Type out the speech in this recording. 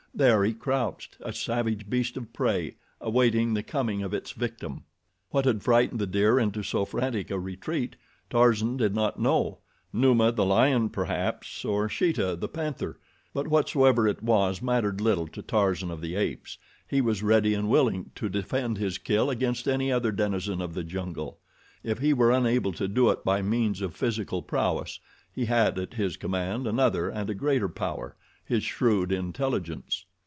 There he crouched, a savage beast of prey, awaiting the coming of its victim. What had frightened the deer into so frantic a retreat, Tarzan did not know—Numa, the lion, perhaps, or Sheeta, the panther; but whatsoever it was mattered little to Tarzan of the Apes—he was ready and willing to defend his kill against any other denizen of the jungle. If he were unable to do it by means of physical prowess, he had at his command another and a greater power—his shrewd intelligence.